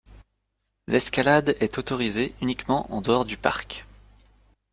L'escalade est autorisée uniquement en-dehors du parc.